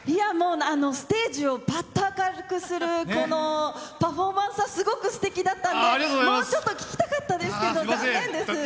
ステージをぱっと明るくするパフォーマンスはすてきだったんでもうちょっと聴きたかったですけど残念です。